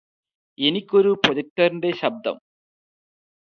എനിക്ക് ഒരു പ്രൊജക്റ്ററിന്റെ ശബ്ദം